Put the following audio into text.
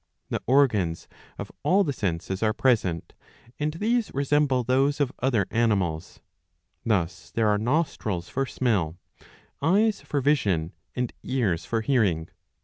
*^ The organs of all the senses are present; and these resemble those of other animals! Thus there are nostrils for smell, eyes for vision, and ears for hearing.